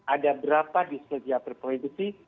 ada berapa di setiap reproduksi